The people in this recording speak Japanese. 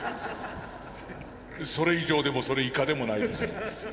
それ以上でもそれ以下でもないです。